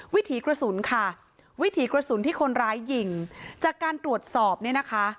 วิถีกระสุนค่ะวิถีกระสุนที่คนร้ายยิงจากการตรวจสอบเนี่ยนะคะ